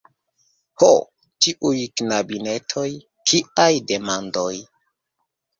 Ho! tiuj knabinetoj! Kiaj demonoj!